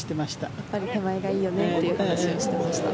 やっぱり手前がいいよねっていう話をしていました。